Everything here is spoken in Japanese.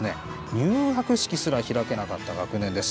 入学式すら開けなかった学年です。